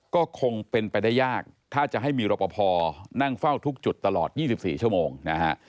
ก็คงเป็นไปได้ยากถ้าจะให้มีรปภนั่งเฝ้าทุกจุดตลอด๒๔ชั่วโมงนะฮะ